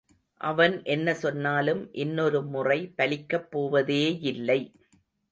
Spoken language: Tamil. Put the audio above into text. அவன் என்ன சொன்னாலும் இன்னொருமுறை பலிக்கப் போவதேயில்லை.